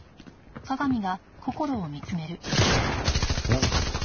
なんかあった？